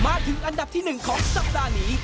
มาถึงอันดับที่๑ของสัปดาห์นี้